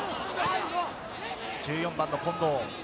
１４番の近藤。